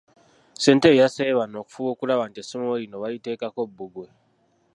Ssentebe yasabye bano okufuba okulaba nti essomero lino baliteekako bbugwe.